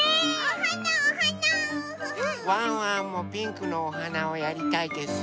ワンワンもピンクのおはなをやりたいです。